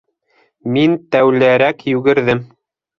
Мин тәүләрәк йүгерҙем...